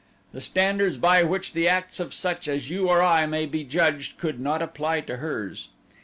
The standards by which the acts of such as you or I may be judged could not apply to hers.